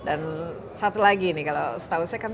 dan satu lagi nih kalau setahu saya kan